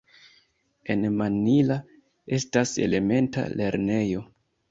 En Mannila estas elementa lernejo.